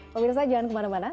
pak mirza jangan kemana mana